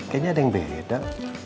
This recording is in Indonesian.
kayaknya ada yang beda